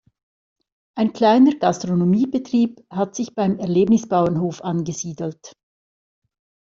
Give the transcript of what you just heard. Ein kleiner Gastronomiebetrieb hat sich beim Erlebnisbauernhof angesiedelt.